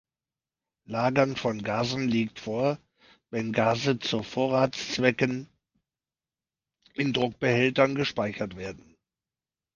Lagern von Gasen liegt vor, wenn Gase zu Vorratszwecken in Druckbehältern gespeichert werden.